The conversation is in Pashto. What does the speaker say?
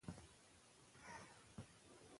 هغه زده کوونکی چې ډېرې پوښتنې کوي ډېر څه زده کوي.